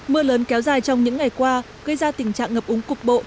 mưa lớn kéo dài trong những ngày qua gây ra tình trạng ngập úng cục bộ